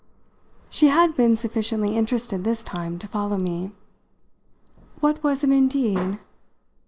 She had been sufficiently interested this time to follow me. "What was it indeed?"